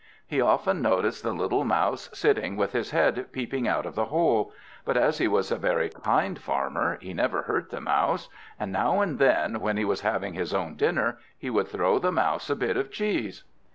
He often noticed the little Mouse sitting with his head peeping out of the hole, but as he was a very kind Farmer, he never hurt the Mouse; and now and then when he was having his own dinner, he would throw the Mouse a bit of cheese.